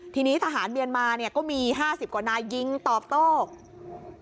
ทีนี้ทหารเมียนมาเนี่ยก็มี๕๐กว่านายยิงตอบโต้